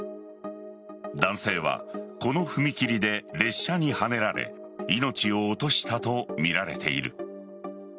男性はこの踏切で列車にはねられ命を落としたとみられている。